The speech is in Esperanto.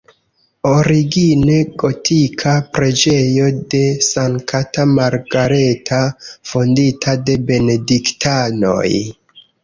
Origine gotika preĝejo de Sankta Margareta, fondita de benediktanoj.